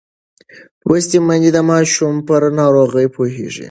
لوستې میندې د ماشوم پر ناروغۍ پوهېږي.